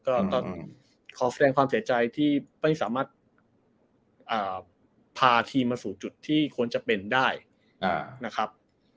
ก็ต้องขอแสดงความเสียใจที่ไม่สามารถพาทีมมาสู่จุดที่ควรจะเป็นได้นะครับ